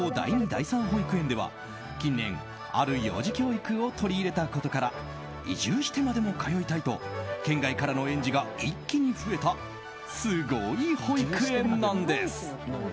第２・第３保育園では近年、ある幼児教育を取り入れたことから移住してまでも通いたいと県外からの園児が一気に増えたすごい保育園なんです。